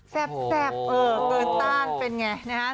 แซ่บเกินต้านเป็นไงนะฮะ